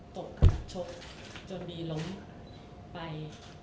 ตกชกจนบีล้มไป